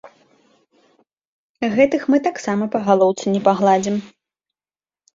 Гэтых мы таксама па галоўцы не пагладзім.